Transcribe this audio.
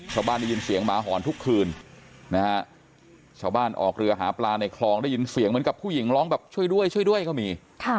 ได้ยินเสียงหมาหอนทุกคืนนะฮะชาวบ้านออกเรือหาปลาในคลองได้ยินเสียงเหมือนกับผู้หญิงร้องแบบช่วยด้วยช่วยด้วยก็มี